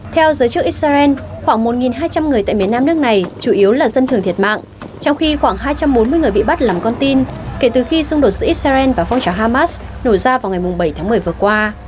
theo giới chức israel khoảng một hai trăm linh người tại miền nam nước này chủ yếu là dân thường thiệt mạng trong khi khoảng hai trăm bốn mươi người bị bắt làm con tin kể từ khi xung đột giữa israel và phong trào hamas nổ ra vào ngày bảy tháng một mươi vừa qua